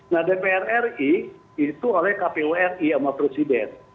nah dpr ri itu oleh kpu ri sama presiden